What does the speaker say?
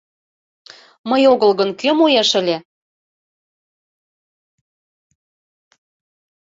Мый огыл гын, кӧ муэш ыле?